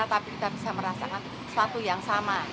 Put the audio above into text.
tapi kita bisa merasakan sesuatu yang sama